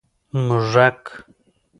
🐁 موږک